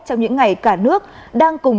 trong những ngày cả nước đang cùng